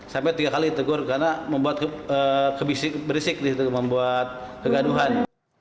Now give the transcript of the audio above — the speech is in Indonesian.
sampai tiga kali ditegur karena berisik di situ membuat kegaduhan